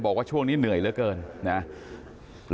บอกว่าช่วงนี้เหนื่อยเหลือเกินนะ